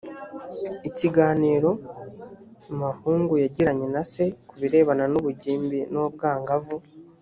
ikiganiro mahungu yagiranye na se ku birebana n ubugimbi n ubwangavu